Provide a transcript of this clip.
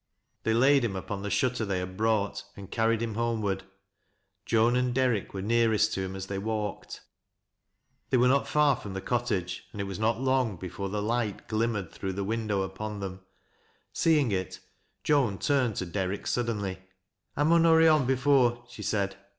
They laid him upon the shutter they had brought, and carried him homeward. Joan and Derrick were nearest to him as they walked. They yrere not far from the cottage, and it was not long before the light glimmered through the window upon them, Seeing it, Joan turned to Derrick suddenly. " I mim hurry on before," she said.